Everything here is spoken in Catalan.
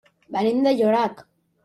Venim de Llorac.